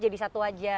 jadi satu aja